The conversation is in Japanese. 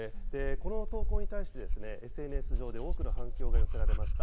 この投稿に対して、ＳＮＳ上で多くの反響が寄せられました。